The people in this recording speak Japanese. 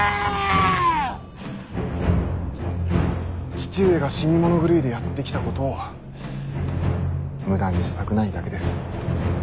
父上が死に物狂いでやってきたことを無駄にしたくないだけです。